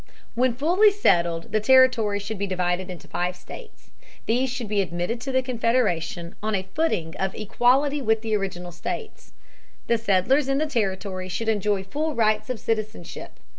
When fully settled the territory should be divided into five states. These should be admitted to the Confederation on a footing of equality with the original states. The settlers in the territory should enjoy full rights of citizenship.